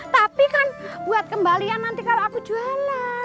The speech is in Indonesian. tapi kan buat kembalian nanti kalau aku jualan